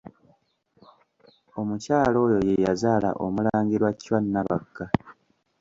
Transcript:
Omukyala oyo ye yazaala Omulangira Chwa Nabakka.